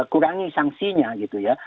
kurangi sangsinya gitu ya